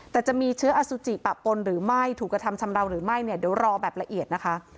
แต่จะมีเชื้ออสุจิปะปนหรือไม่ถูกกระทำชำราวหรือไม่เนี่ยเดี๋ยวรอแบบละเอียดนะคะ